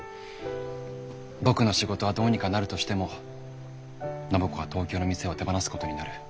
僕の仕事はどうにかなるとしても暢子は東京の店を手放すことになる。